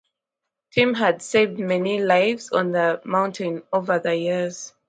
Tim had saved many lives on the mountain over the years.